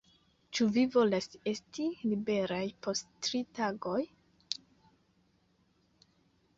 Ĉu vi volas esti liberaj post tri tagoj?